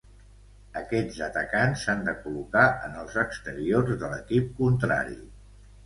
Aquests atacants s'han de col·locar en els exteriors de l'equip contrari.